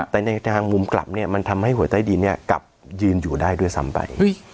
แต่ในทางมุมกลับเนี่ยมันทำให้หวยใต้ดินกลับยืนอยู่ได้ด้วยซ้ำไป